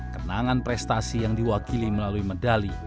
kenangan prestasi yang diwakili melalui medali